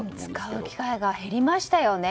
使う機会が減りましたよね。